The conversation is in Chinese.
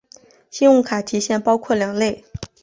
信用卡提现包括两类。